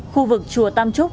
khu vực chùa tam trúc